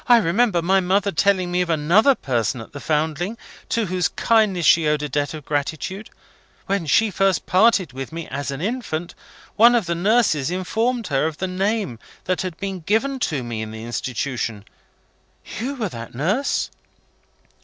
I remember my mother telling me of another person at the Foundling, to whose kindness she owed a debt of gratitude. When she first parted with me, as an infant, one of the nurses informed her of the name that had been given to me in the institution. You were that nurse?"